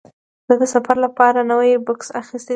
زه د سفر لپاره نوی بکس اخیستی دی.